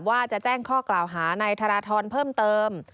ว่าจะแจ้งข้อกล่าวหานายธนทรเพิ่มเติม